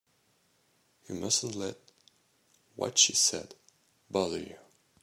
You mustn't let what she said bother you.